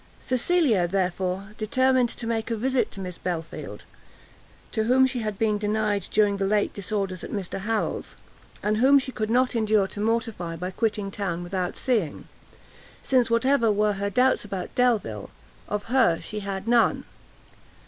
Cecilia, therefore, determined to make a visit to Miss Belfield, to whom she had been denied during the late disorders at Mr Harrel's, and whom she could not endure to mortify by quitting town without seeing, since whatever were her doubts about Delvile, of her she had none.